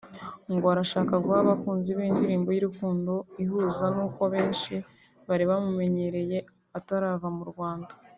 ngo arashaka guha abakunzi be indirimbo y’urukundo ihuza n’uko benshi bari bamumenyereye atarava mu Rwanda